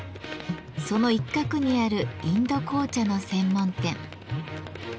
その一角にあるインド紅茶の専門店。